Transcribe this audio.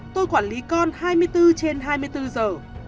tôi quản lý con hai mươi bốn trên hai mươi bốn giờ